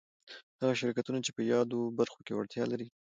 هغه شرکتونه چي په يادو برخو کي وړتيا ولري